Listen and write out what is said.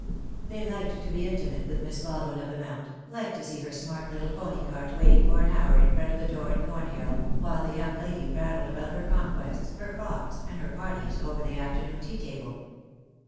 They liked to be intimate with Miss Baldwin of the Mount, liked to see her smart little pony cart waiting for an hour in front of the door in Cornhill, while the young lady prattled about her conquests, her frocks, and her parties, over the afternoon tea table.